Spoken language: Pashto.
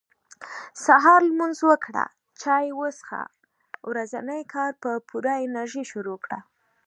سهار لمونځ وکړه چاي وڅښه ورځني کار په پوره انرژي شروع کړه